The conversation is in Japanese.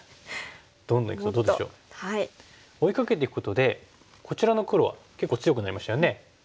追いかけていくことでこちらの黒は結構強くなりましたよね。